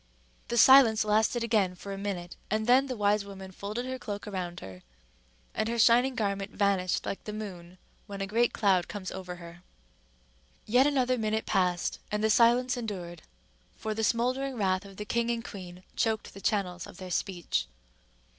The silence lasted again for a minute, and then the wise woman folded her cloak around her, and her shining garment vanished like the moon when a great cloud comes over her. Yet another minute passed and the silence endured, for the smouldering wrath of the king and queen choked the channels of their speech.